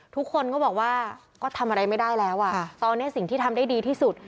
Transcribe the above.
ทุกคนก็บอกว่าก็ทำอะไรไม่ได้แล้วอ่ะตอนนี้สิ่งที่ทำได้ดีที่สุด